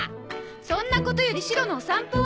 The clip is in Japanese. そんなことよりシロのお散歩は？